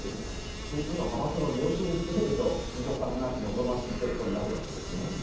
ということは、派閥の領袖にしてみると望ましいっていうことになるわけですね。